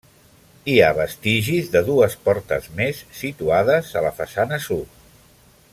Hi ha vestigis de dues portes més situades a la façana sud.